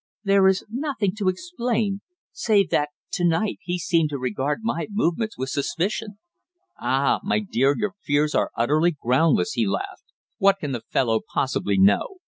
"There is nothing to explain save that to night he seemed to regard my movements with suspicion." "Ah! my dear, your fears are utterly groundless," he laughed. "What can the fellow possibly know?